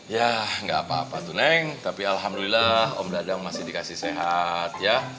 ya nggak apa apa tuh neng tapi alhamdulillah om dada masih dikasih sehat ya